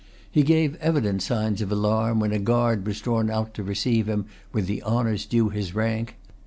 He gave evident signs of alarm when a guard was drawn out to receive him with the honours due to his rank.